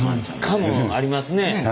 カムありますね。